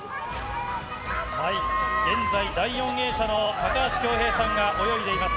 現在、第４泳者の高橋恭平さんが泳いでいます。